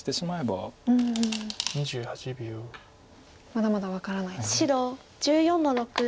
まだまだ分からないと。